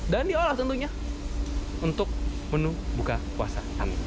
dan diolah tentunya untuk menu buka puasa